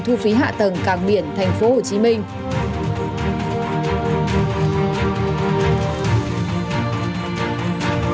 thu phí hạ tầng cảng biển thành phố hồ chí minh